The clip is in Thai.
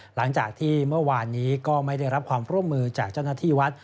หลังจากที่เมื่อวานนี้ก็ไม่ได้รับความร่วมมือจากเจ้าหน้าที่วัด